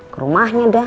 ke rumahnya dah